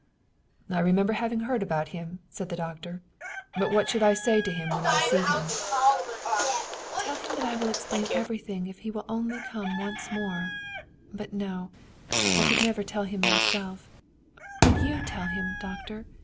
" I remember having heard about him," said the doctor. " But what shall I say to him when I see him ?"" Tell him that I will explain everything if he will only come once more but no, I could never tell him myself would you tell him, doctor